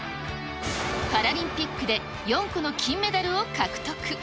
パラリンピックで４個の金メダルを獲得。